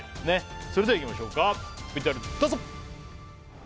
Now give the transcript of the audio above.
それではいきましょうかＶＴＲどうぞ！